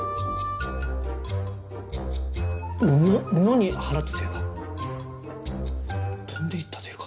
野に放ったというか飛んでいったというか。